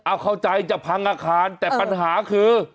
เอาเข้าใจจะพังอาคารแต่ปัญหาคือ